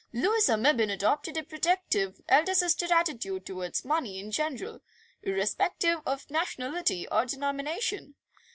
Louisa Mebbin adopted a protective elder sister attitude towards money in general, irrespective of nationality or denomination.